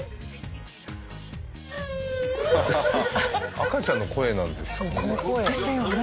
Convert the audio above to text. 赤ちゃんの声なんですよね？ですよね。